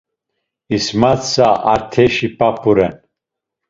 İsmatza Arteşi p̌ap̌u ren.